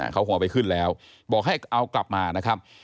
เขาคงเอาไปขึ้นแล้วบอกให้เอากลับมานะครับ